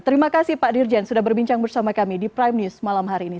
terima kasih pak dirjen sudah berbincang bersama kami di prime news malam hari ini